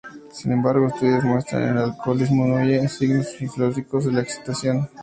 Sin embargo, estudios muestran que el alcohol disminuye los signos fisiológicos de la excitación.